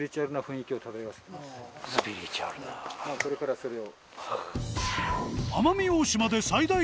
はいこれからそれを。